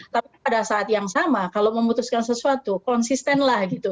tapi pada saat yang sama kalau memutuskan sesuatu konsistenlah gitu